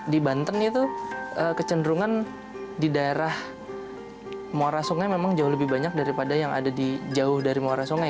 di banten itu kecenderungan di daerah muara sungai memang jauh lebih banyak daripada yang ada di jauh dari muara sungai